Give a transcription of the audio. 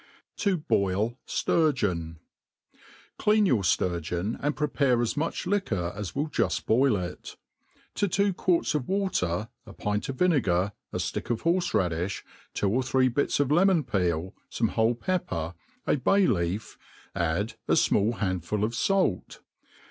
To boil Sturgeon* CLEAN your fturgeon, and prepare as much liquor as will juft boil it. To two quarts of water, a pint of vinegar, a ftick of hbrfe raddifh, two or three bits of lemon peel, fome whole pepper, a bay leaf, add a fmall handful of fait.